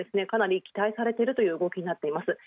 かなり期待されているという動きになっています。